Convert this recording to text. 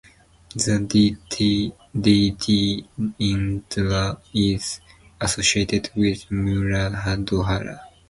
The deity Indra is associated with Muladhara.